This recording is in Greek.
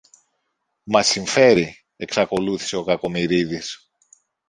Μας συμφέρει, εξακολούθησε ο Κακομοιρίδης.